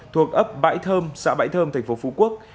thuộc ấp bãi thơm xã bãi thơm thành phố phú quốc